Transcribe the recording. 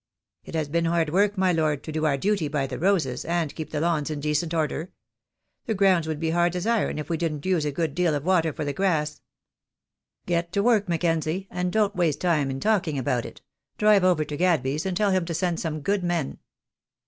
"It has been hard work, my lord, to do our duty by the roses, and keep the lawns in decent order. The ground would be as hard as iron if we didn't use a good deal of water for the grass." "Get to work, Mackenzie, and don't waste time in talking about it. Drive over to Gadby's, and tell him to send some good men."